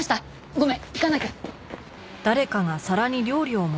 ごめん。